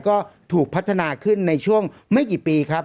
ก็ถูกพัฒนาขึ้นในช่วงไม่กี่ปีครับ